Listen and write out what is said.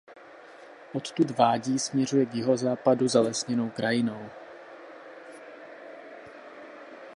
Odtud vádí směřuje k jihozápadu zalesněnou krajinou.